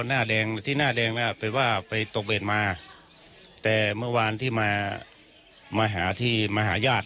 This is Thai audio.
หน้าแดงที่หน้าแดงน่ะเป็นว่าไปตกเวทมาแต่เมื่อวานที่มามาหาที่มาหาญาติ